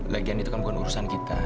legian itu kan bukan urusan kita